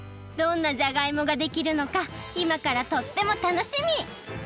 どんなじゃがいもができるのかいまからとっても楽しみ！